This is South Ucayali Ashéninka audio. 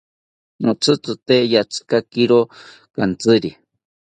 Notzitzite ratzikakiro kantziri